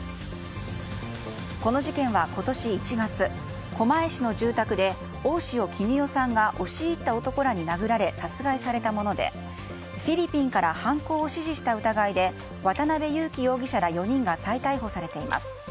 この事件は今年１月狛江市の住宅で大塩衣与さんが押し入った男らに殴られ殺害されたものでフィリピンから犯行を指示した疑いで渡辺優樹容疑者ら４人が再逮捕されています。